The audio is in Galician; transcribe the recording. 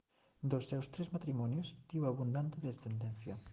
Dos seus tres matrimonios tivo abundante descendencia.